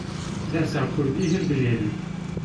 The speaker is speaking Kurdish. Dersa kurdî hilbijêrin.